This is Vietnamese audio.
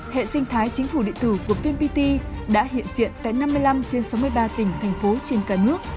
hệ sinh thái chính phủ địa tử của vnpt đã hiện diện tại năm mươi năm trên sáu mươi ba tỉnh thành phố trên cả nước